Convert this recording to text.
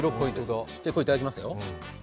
いただきますよ。